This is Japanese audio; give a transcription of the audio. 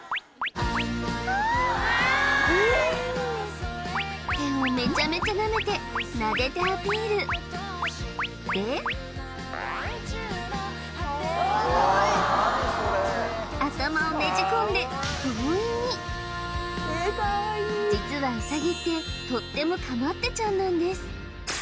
あいいね手をめちゃめちゃなめてなでてアピールで頭をねじ込んで強引に実はウサギってとってもかまってちゃんなんです